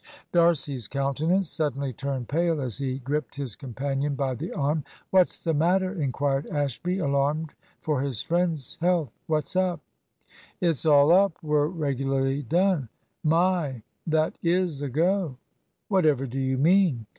D'Arcy's countenance suddenly turned pale as he gripped his companion by the arm. "What's the matter?" inquired Ashby, alarmed for his friend's health. "What's up?" "It's all up! We're regularly done. My, that is a go!" "Whatever do you mean?"